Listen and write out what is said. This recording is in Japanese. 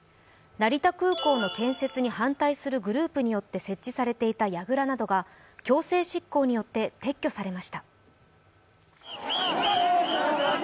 成田空港の建設に反対するグループによって設置されていたやぐらなどが強制執行によって撤去されました。